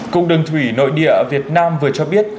cục đường thủy nội địa việt nam vừa cho biết